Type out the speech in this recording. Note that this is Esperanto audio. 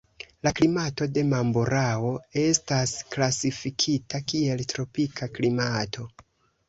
La klimato de Mamburao estas klasifikita kiel tropika klimato.